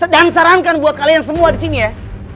dan sarankan buat kalian semua di sini ya